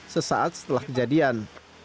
sesaat setelah kejadian